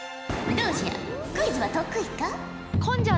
どうじゃクイズは得意か？